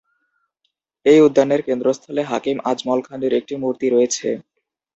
এই উদ্যানের কেন্দ্রস্থলে হাকিম আজমল খানের একটি মূর্তি রয়েছে।